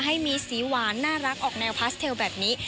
ให้มีสีหวานน่ารักออกแนวพาสเทลแบบนี้